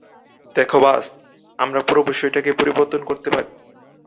দেখো বায, আমরা পুরো বিষয়টাকেই পরিবর্তন করতে পারি।